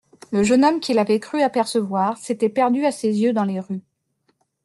Le jeune homme qu'il avait cru apercevoir s'était perdu à ses yeux dans les rues.